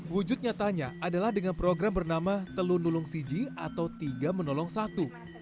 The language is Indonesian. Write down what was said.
wujud nyatanya adalah dengan program bernama telunulung siji atau tiga menolong satu